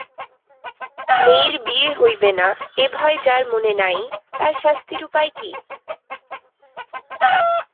বিশেষ করে নর্টন তার বাস্তবসম্মত অভিনয়ের জন্য নন্দিত হয়েছিলেন।